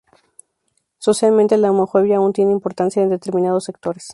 Socialmente, la homofobia aún tiene importancia en determinados sectores.